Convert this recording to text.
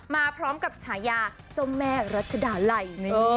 มาพร้อมกับฉายาเจ้าแม่รัชดาลัย